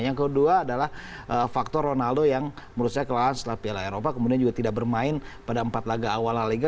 yang kedua adalah faktor ronaldo yang menurut saya kelahan setelah piala eropa kemudian juga tidak bermain pada empat laga awal la liga